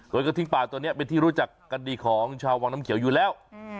โดยกระทิงป่าตัวนี้เป็นที่รู้จักกันดีของชาววังน้ำเขียวอยู่แล้ว